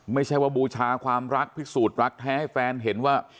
ไม่ใช่ว่าบูชาความรักพิสูจน์รักแท้ให้แฟนเห็นว่า